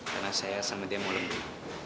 karena saya sama dia mau lembur